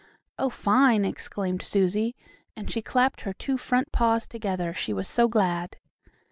"Oh, fine!" exclaimed Susie, and she clapped her two front paws together, she was so glad.